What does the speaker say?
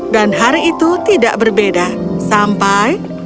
dan hari itu tidak berbeda sampai